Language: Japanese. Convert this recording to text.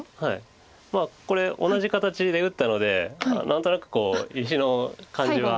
これ同じ形で打ったので何となく石の感じが。